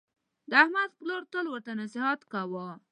د احمد پلار تل ورته نصحت کاوه: